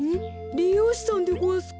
りようしさんでごわすか。